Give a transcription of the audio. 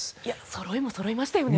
そろいもそろいましたね。